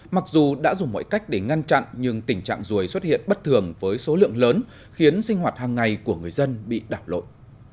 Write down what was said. mặc dù đã dùng mọi cách để ngăn chặn nhưng tình trạng ruồi xuất hiện bất thường với số lượng lớn khiến sinh hoạt hàng ngày của người dân bị đảo lộn